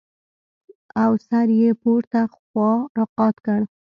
او سر يې پورته خوا راقات کړ.